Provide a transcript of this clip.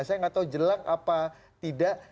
saya gak tau jelang apa tidak